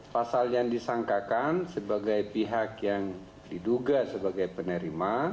pasal yang disangkakan sebagai pihak yang diduga sebagai penerima